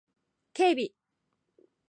警備